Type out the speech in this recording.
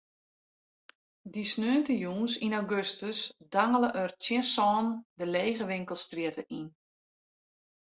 Dy sneontejûns yn augustus dangele er tsjin sânen de lege winkelstrjitte yn.